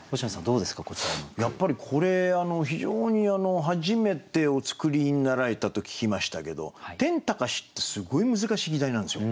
やっぱりこれ非常に初めてお作りになられたと聞きましたけど「天高し」ってすごい難しい季題なんですよ。